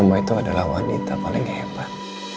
semua itu adalah wanita paling hebat